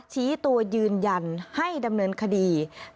ชี้ตัวยืนยันให้ดำเนินคดี